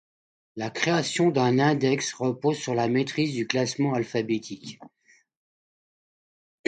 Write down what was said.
La création d'un index repose sur la maîtrise du classement alphabétique.